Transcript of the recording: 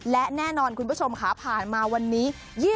และแน่นอนคุณผู้ชมค่ะผ่านมาวันนี้